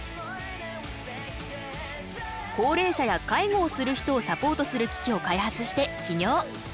高齢者や介護をする人をサポートする機器を開発して起業